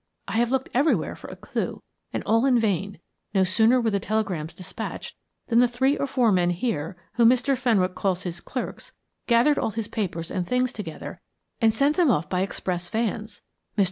I have looked everywhere for a clue and all in vain. No sooner were the telegrams dispatched than the three or four men here, whom Mr. Fenwick calls his clerks, gathered all his papers and things together and sent them off by express vans. Mr.